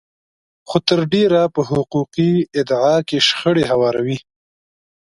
خو تر ډېره په حقوقي ادعا کې شخړې هواروي.